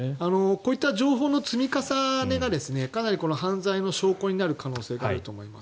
こういった情報の積み重ねがかなり犯罪の証拠になる可能性があると思います。